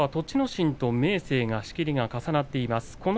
心と明生仕切りが重なっています